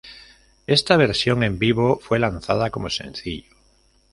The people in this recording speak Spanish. Esta versión en vivo fue lanzada como sencillo.